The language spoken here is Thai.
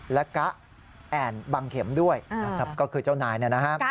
และกะแอ่นบังเข็มด้วยก็คือเจ้านายนั้นนะครับ